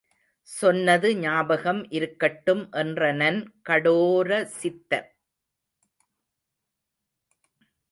சொன்னது ஞாபகம் இருக்கட்டும் என்றனன் கடோரசித்தன்.